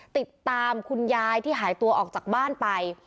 ติดตามคุณยายที่หายตัวออกจากบ้านไป